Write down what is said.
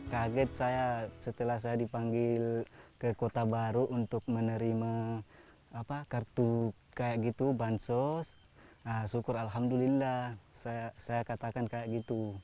kaget saya setelah saya dipanggil ke kota baru untuk menerima kartu kayak gitu bansos syukur alhamdulillah saya katakan kayak gitu